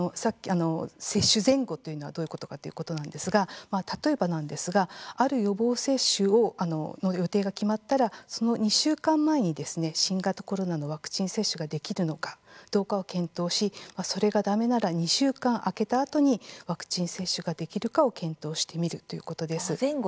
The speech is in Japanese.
接種前後というのはどういうことかということなんですが例えば、ある予防接種の予定が決まったら、その２週間前に新型コロナのワクチン接種ができるのかどうかを検討しそれがだめなら２週間空けたあとにワクチン接種ができるかを検討してみるということです。